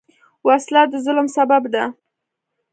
وسله د ظلم سبب ده